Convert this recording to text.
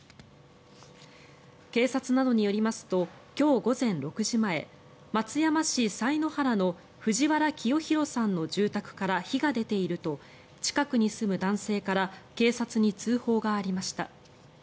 警察などによりますと今日午前６時前松山市才之原の藤原清廣さんの住宅から火が出ていると近くに住む男性から警察に通報がありました。